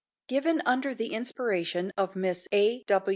[Given under the inspiration of Miss A.